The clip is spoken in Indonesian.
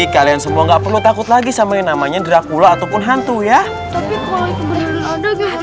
kalian semua nggak perlu takut lagi sama yang namanya dracula ataupun hantu ya agak agak